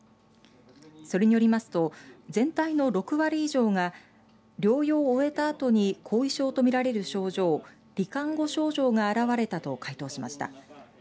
それによりますと全体の６割以上が療養を終えたあとに後遺症とみられる症状罹患後症状が現れたと回答しました。